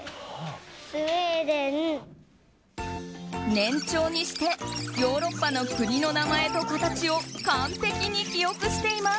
年長にしてヨーロッパの国の名前と形を完璧に記憶しています。